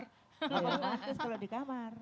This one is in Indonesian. romantis kalau di kamar